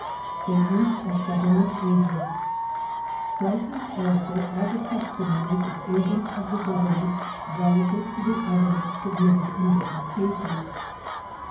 Statements of Government Agents Striking also are the testimonies of agents of the Government relative to the evidence submitted in differ ent cases.